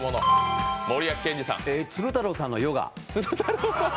鶴太郎さんのヨガ。